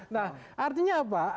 nah artinya apa